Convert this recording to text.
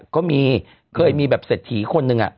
ก็มีเคยมีแบบเศรษฐีคนหนึ่ง